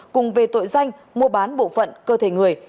cùng về tội danh mua bán bộ phận cơ thể người